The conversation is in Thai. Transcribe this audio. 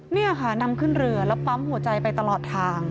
นี่ค่ะนำขึ้นเรือแล้วปั๊มหัวใจไปตลอดทาง